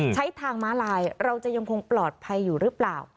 ทางม้าลายเราจะยังคงปลอดภัยอยู่หรือเปล่า